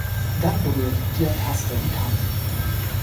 Dann berührt der Taster die Kante.